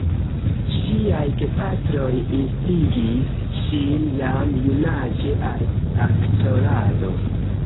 Ŝiaj gepatroj instigis ŝin jam junaĝe al aktorado.